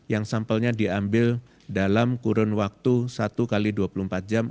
yang sampelnya diambil dalam kurun waktu satu x dua puluh empat jam